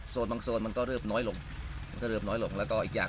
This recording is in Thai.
บางโซนมันก็เริ่มน้อยลงก็เริ่มน้อยลงแล้วก็อีกอย่าง